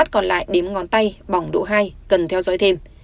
còn lại đếm ngón tay bỏng độ hai cần theo dõi thêm